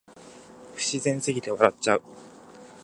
不自然すぎて笑っちゃう